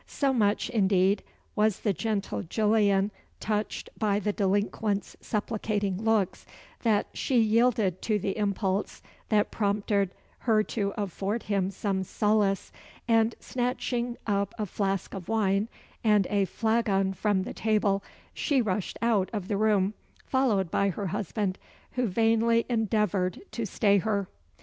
So much, indeed, was the gentle Gillian touched by the delinquent's supplicating looks, that she yielded to the impulse that prompted her to afford him some solace, and snatching up a flask of wine and a flagon from the table, she rushed out of the room, followed by her husband, who vainly endeavoured to stay her.